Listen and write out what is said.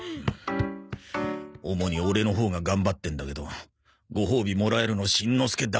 主にオレのほうが頑張ってんだけどご褒美もらえるのしんのすけだけって。